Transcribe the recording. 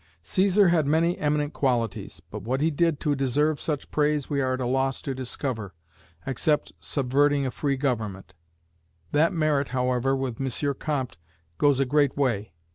Caesar had many eminent qualities, but what he did to deserve such praise we are at a loss to discover, except subverting a free government: that merit, however, with M. Comte, goes a great way.